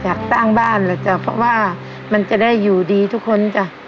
อยากสร้างบ้านแหละจ้ะเพราะว่ามันจะได้อยู่ดีทุกคนจ้ะ